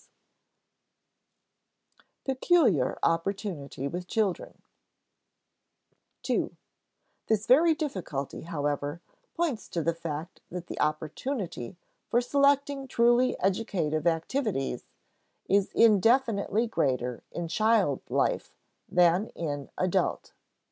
[Sidenote: Peculiar opportunity with children] (ii) This very difficulty, however, points to the fact that the opportunity for selecting truly educative activities is indefinitely greater in child life than in adult.